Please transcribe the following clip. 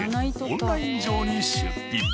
オンライン上に出品。